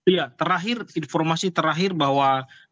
iya terakhir informasi terakhir bahwa